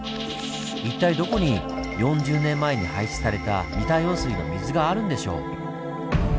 一体どこに４０年前に廃止された三田用水の水があるんでしょう？